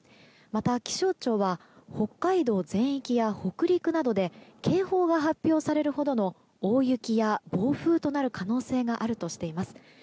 また、気象庁は北海道全域や北陸などで警報が発表されるほどの大雪や暴風となる可能性があるとしています。